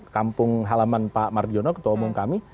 kampung halaman pak marjono ketua umum kami